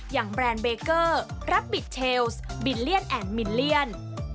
แบรนด์เบเกอร์รับบิทเชลส์บิลเลียนแอนดมิลเลียน